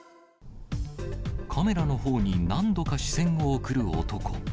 カメラのほうに何度か視線を送る男。